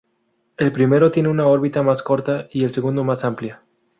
El primero tiene una órbita más corta y el segundo más amplia.